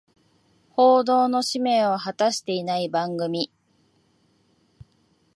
報道の使命を果たしてない番組